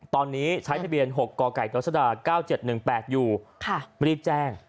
ตอนนี้ใช้ทะเบียน๖กกทศด๙๗๑๘อยู่รีบแจ้ง